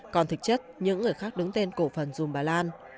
còn thực chất những người khác đứng tên cổ phần dùm bà lan